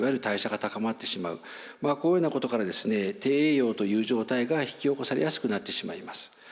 こういうようなことから低栄養という状態が引き起こされやすくなってしまいます。